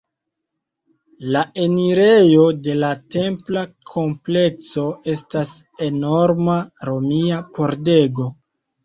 La enirejo de la templa komplekso estas enorma romia pordego.